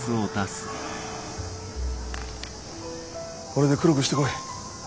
これで黒くしてこい。